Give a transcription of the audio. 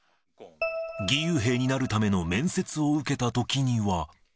義勇兵になるための面接を受けたときには。